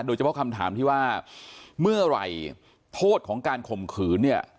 โดยเฉพาะคำถามที่ว่าเมื่อไหร่โทษของการข่มขืนเนี่ย